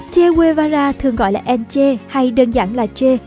ché guevara thường gọi là n ché hay đơn giản là ché